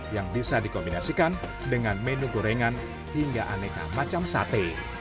yang bisa dikombinasikan dengan menu gorengan hingga aneka macam sate